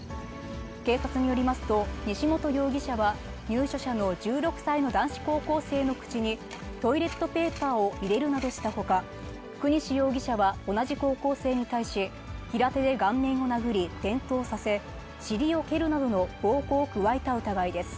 警察によりますと、西本容疑者は、入所者の１６歳の男子高校生の口に、トイレットペーパーを入れるなどしたほか、國司容疑者は同じ高校生に対し、平手で顔面を殴り、転倒させ、尻を蹴るなどの暴行を加えた疑いです。